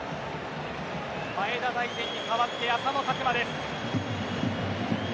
前田大然に代わって浅野拓磨です。